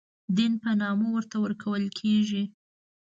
دین په نامه ورته ورکول کېږي.